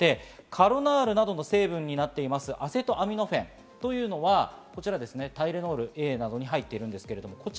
カロナールなどの成分になっているアセトアミノフェンというのは、タイレノールＡなどに入っています。